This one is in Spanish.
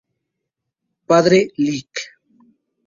Padre Lic.